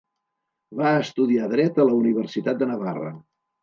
Va estudiar Dret a la Universitat de Navarra.